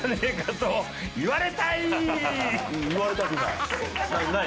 言われたくない。